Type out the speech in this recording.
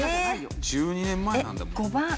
１２年前なんだもん。